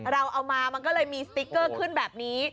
เราเอามามันก็เลยมีสติ๊กเกอร์ขึ้นแบบนี้